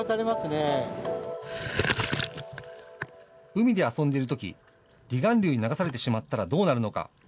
海で遊んでいるとき、離岸流に流されてしまったらどうなるのか。